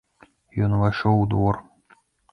Ён увайшоў у двор.